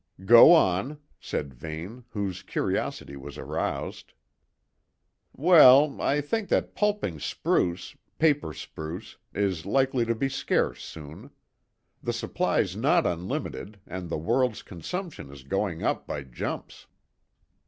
"Go on," said Vane, whose curiosity was aroused. "Well, I think that pulping spruce paper spruce is likely to be scarce soon. The supply's not unlimited and the world's consumption is going up by jumps."